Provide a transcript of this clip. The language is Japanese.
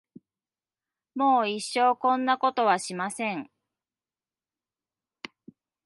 もう一生こんなことはしません。